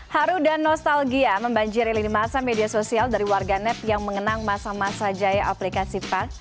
haru dan nostalgia membanjiri lini masa media sosial dari warga net yang mengenang masa masa jaya aplikasi park